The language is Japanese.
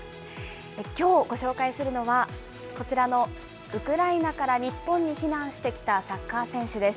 きょうご紹介するのは、こちらのウクライナから日本に避難してきたサッカー選手です。